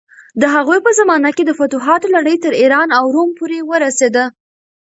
د هغوی په زمانه کې د فتوحاتو لړۍ تر ایران او روم پورې ورسېده.